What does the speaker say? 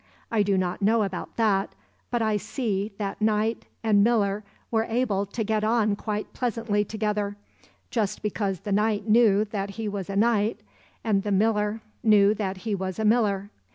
I do not know about that, but I see that knight and miller were able to get on quite pleasantly together, just because the knight knew that he was a knight and the miller knew that he was a miller.